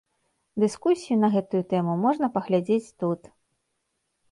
Дыскусію на гэтую тэму можна паглядзець тут.